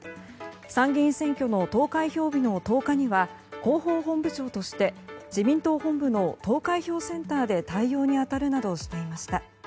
参議院選挙の投開票日の１０日には広報本部長として自民党本部の投開票センターで対応に当たるなどしていました。